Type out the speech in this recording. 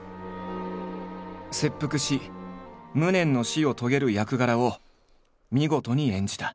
切腹し無念の死を遂げる役柄を見事に演じた。